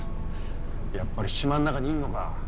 やっぱり島の中にいんのか？